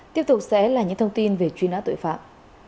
tiếp tục sẽ là những thông tin về truy nã tội phạm